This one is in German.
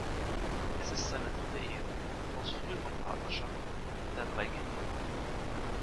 Es ist seine dritte Ehe; aus früheren Partnerschaften hat er drei Kinder.